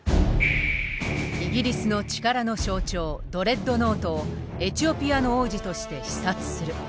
イギリスの力の象徴ドレッドノートをエチオピアの王子として視察する。